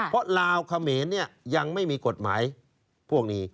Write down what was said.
เพราะลาวเขมรยังไม่มีกฎหมายพวกนี้